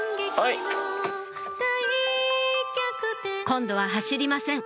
今度は走りません